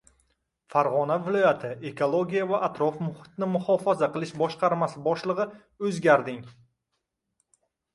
Farg‘ona viloyat Ekologiya va atrof-muhitni muhofaza qilish boshqarmasi boshlig‘i o‘zgarding